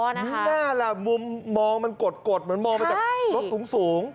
น่ารักมุมมองมันกดเหมือนมองมันจากรถสูง